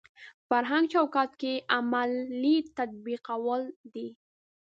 فرهنګ چوکاټ کې عملي تطبیقول دي.